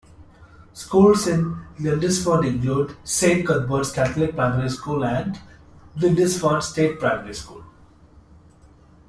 Schools in Lindisfarne include Saint Cuthbert's Catholic Primary School and Lindisfarne State Primary School.